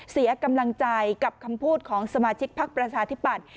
เสียกำลังใจกับคำพูดของสมาชิกพักประชาธิปัตย